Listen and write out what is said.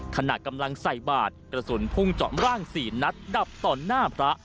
ขณะกำลังใส่บาทกระสุนพุ่งเจาะร่าง๔นัดดับต่อหน้าพระ